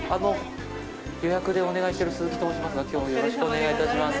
予約でお願いしてる鈴木と申しますが、きょうはよろしくお願いいたします。